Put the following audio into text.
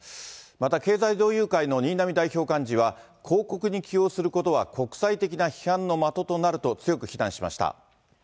また経済同友会の新浪代表幹事は、広告に起用することは国際的な批判の的となると強く非難しました。